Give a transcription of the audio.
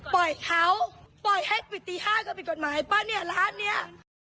ปล่อยเขาปล่อยให้ปิดตี๕ก็ผิดกฎหมายป่ะเนี่ยร้านเนี้ย